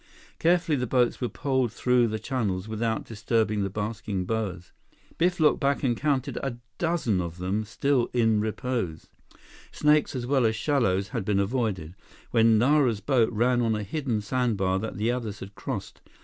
Carefully, the boats were poled through the channels without disturbing the basking boas. Biff looked back and counted a dozen of them, still in repose. Snakes as well as shallows had been avoided, when Nara's boat ran on a hidden sandbar that the others had crossed.